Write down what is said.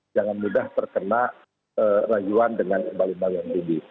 jangan mudah terkena rayuan dengan imbal imbal yang tinggi